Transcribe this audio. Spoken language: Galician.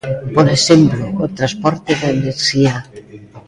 Por exemplo, o transporte da enerxía.